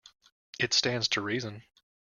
It stands to reason.